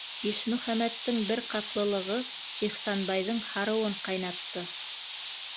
Ишмөхәмәттен бер ҡатлылығы Ихсанбайҙың һарыуын ҡайнатты.